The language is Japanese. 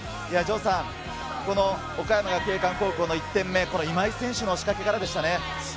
この岡山学芸館高校の１点目、今井選手の仕掛けからでしたね。